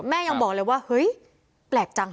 ยังบอกเลยว่าเฮ้ยแปลกจัง